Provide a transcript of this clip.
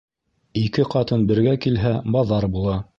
Ике ҡатын бергә килһә баҙар була.